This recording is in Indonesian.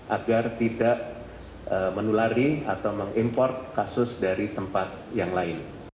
agar tidak menulari atau mengimport kasus dari tempat yang lain